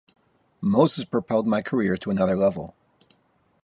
Moses propelled my career to another level.